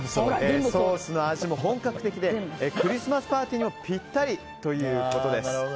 ソースの味も本格的でクリスマスパーティーにもぴったりということです。